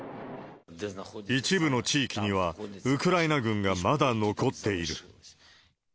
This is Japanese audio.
一部の地域には、ウクライナ軍がまだ残っている。